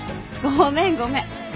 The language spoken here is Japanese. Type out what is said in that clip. ごめんごめん。